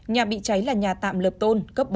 nhà bị cháy là nhà tạm lợp tôn cấp bốn